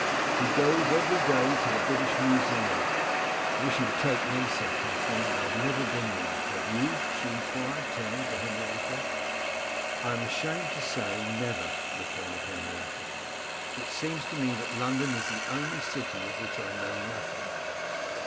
'He goes every day to the British Museum.' 'I wish he would take me,' said Katherine. 'I have never been there. Have you?' she enquired, turning to Henrietta. 'I am ashamed to say never,' replied Henrietta. 'It seems to me that London is the only city of which I know nothing.